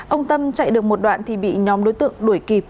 ông tâm chạy được một đoạn thì bị nhóm đối tượng đuổi kịp